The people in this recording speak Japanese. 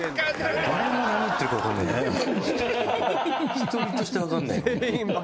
１人としてわかんないよ。